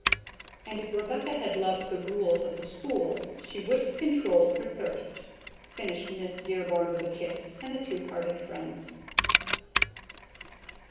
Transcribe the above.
"And if Rebecca had loved the rules of the school she would have controlled her thirst," finished Miss Dearborn with a kiss, and the two parted friends.